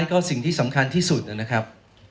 เพราะว่าสิ่งที่สำคัญที่สุดนะครับ